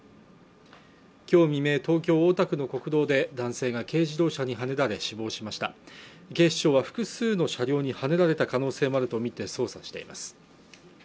今日未明、東京・大田区の国道で男性が軽自動車にはねられ死亡しました警視庁は複数の車両にはねられた可能性もあるとみて捜査しています